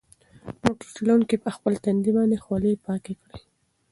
موټر چلونکي په خپل تندي باندې خولې پاکې کړې.